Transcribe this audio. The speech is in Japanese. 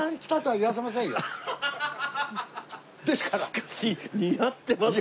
しかし似合ってますね。